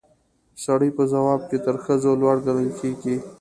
سړي په ځواک کې تر ښځو لوړ ګڼل کیږي